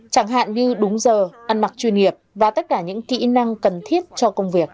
chẳng hạn như đúng giờ ăn mặc chuyên nghiệp và tất cả những kỹ năng cần thiết cho công việc